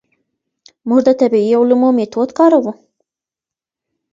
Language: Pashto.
موږ د طبیعي علومو میتود کاروو.